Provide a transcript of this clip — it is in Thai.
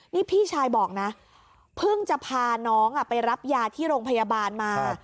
นี่พี่ชายบอกนะเพิ่งจะพาน้องไปรับยาที่โรงพยาบาลมา